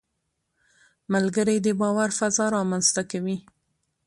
ملګری د باور فضا رامنځته کوي